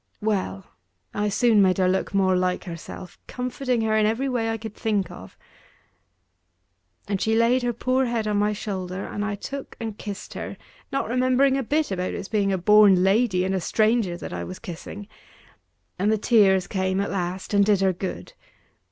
Well! I soon made her look more like herself, comforting her in every way I could think of: and she laid her poor head on my shoulder, and I took and kissed her, (not remembering a bit about its being a born lady and a stranger that I was kissing); and the tears came at last, and did her good.